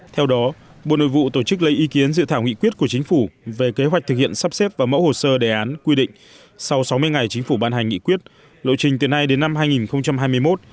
theo đó bộ nội vụ tổ chức lấy ý kiến dự thảo nghị quyết của chính phủ về kế hoạch thực hiện sắp xếp và mẫu hồ sơ đề án quy định sau sáu mươi ngày chính phủ ban hành nghị quyết lộ trình từ nay đến năm hai nghìn hai mươi một